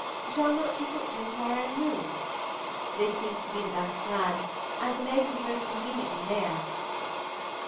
Shall not you put them into our own room? This seems to me the best plan, and the maid will be most conveniently near.